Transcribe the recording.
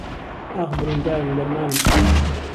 ئاخ بریندارم دەرمانم کە